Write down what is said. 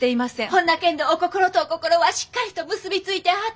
ほんなけんどお心とお心はしっかりと結び付いてはった。